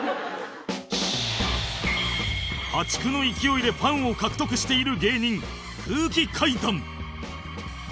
破竹の勢いでファンを獲得している芸人空気階段